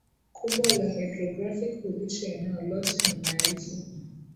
kubwa la hydrographic hulisha eneo lote na maelfu